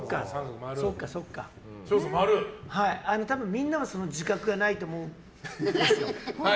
みんなはその自覚がないと思うんですよ。